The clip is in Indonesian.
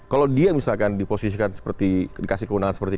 kalau dia misalkan dikasi keunangan seperti